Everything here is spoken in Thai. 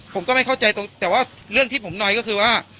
ผมก็ไม่เข้าใจตรงแต่ว่าเรื่องที่ผมหน่อยก็คือว่า